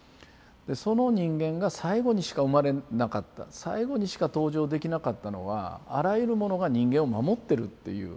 その人間が最後にしか生まれなかった最後にしか登場できなかったのはあらゆるものが人間を守ってるっていう。